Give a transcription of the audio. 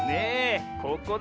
ここだ。